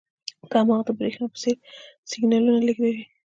دماغ د برېښنا په څېر سیګنالونه لېږدوي.